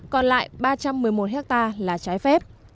còn lại ba trăm một mươi một hectare là trái phép